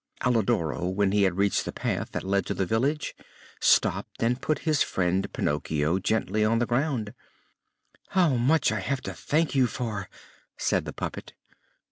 Alidoro, when he had reached the path that led to the village, stopped and put his friend Pinocchio gently on the ground. "How much I have to thank you for!" said the puppet.